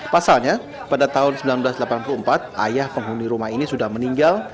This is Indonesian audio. pasalnya pada tahun seribu sembilan ratus delapan puluh empat ayah penghuni rumah ini sudah meninggal